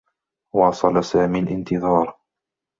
واصل سامي الانتظار.